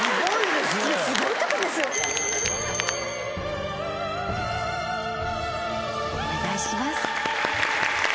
すごいですね！お願いします。